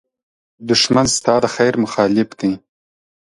دښمن ستا د خېر مخالف دی